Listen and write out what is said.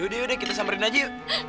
yaudah yaudah kita samberin aja yuk